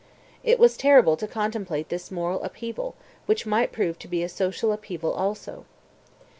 It was terrible to contemplate this moral upheaval, which might prove to be a social upheaval also.